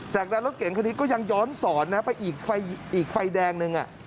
จากนั้นรถเก่งคันนี้ก็ยังย้อนสอนนะไปอีกไฟแดงนึง